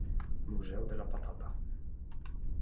Museo della patata